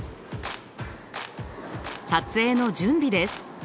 撮影の準備です。